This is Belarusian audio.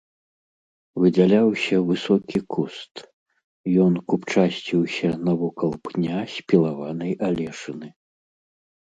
Выдзяляўся высокі куст, ён купчасціўся навокал пня спілаванай алешыны.